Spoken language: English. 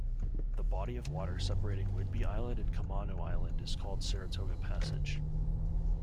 The body of water separating Whidbey Island and Camano Island is called Saratoga Passage.